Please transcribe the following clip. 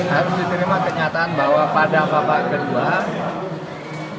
harus diterima kenyataan bahwa pada babak kedua